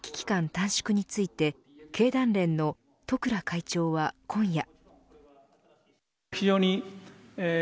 短縮について経団連の十倉会長は今夜。